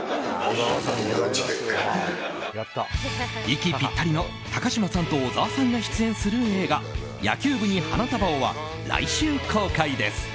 息ぴったりの高嶋さんと小沢さんが出演する映画「野球部に花束を」は来週公開です。